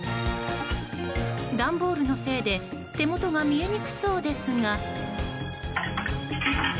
段ボールのせいで手元が見えにくそうですが。